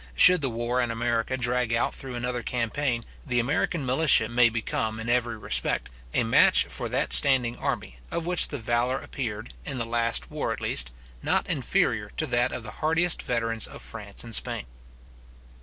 Should the war in America drag out through another campaign, the American militia may become, in every respect, a match for that standing army, of which the valour appeared, in the last war at least, not inferior to that of the hardiest veterans of France and Spain.